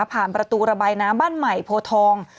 ประตูระบายน้ำบ้านใหม่โพทอง